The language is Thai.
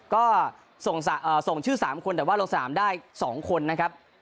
ก็ส่งชื่อ๓คนแต่ว่าลงสนามได้๒คนนะครับ